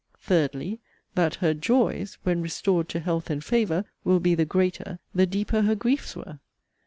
THIRDLY, That her 'joys,'* when restored to health and favour, will be the greater, the deeper her griefs were.